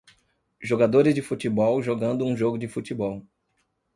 Jogadores de futebol jogando um jogo de futebol.